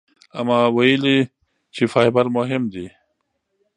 اما ویلي چې فایبر مهم دی.